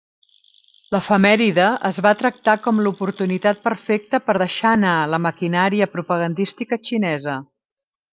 L'efemèride es va tractar com l'oportunitat perfecta per deixar anar la maquinària propagandística xinesa.